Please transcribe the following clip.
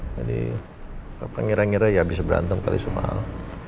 jadi papa ngira ngira ya bisa berantem kali sama al